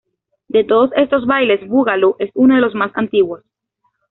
De todos estos bailes, boogaloo es uno de los más antiguos.